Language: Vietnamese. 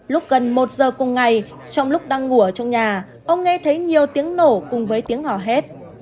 lúc gần một giờ cùng ngày trong lúc đang ngủ ở trong nhà ông nghe thấy nhiều tiếng nổ cùng với tiếng ngò hết